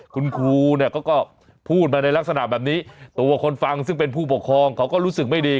คุณครูเนี่ยเขาก็พูดมาในลักษณะแบบนี้ตัวคนฟังซึ่งเป็นผู้ปกครองเขาก็รู้สึกไม่ดี